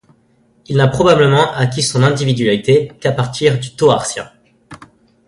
Il n'a probablement acquis son individualité qu'à partir du Toarcien.